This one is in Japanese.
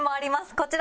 こちら。